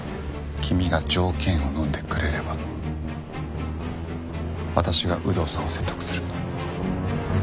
君が条件をのんでくれれば私が有働さんを説得する。